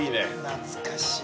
◆懐かしい。